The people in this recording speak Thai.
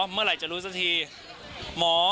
เมื่อไหร่จะรู้สักทีหมอ